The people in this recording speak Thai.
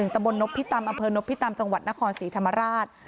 ตะบนนพิตำอำเภอนพิตำจังหวัดนครศรีธรรมราช